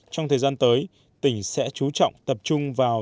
trong thời gian tới tỉnh sẽ chú trọng tập trung vào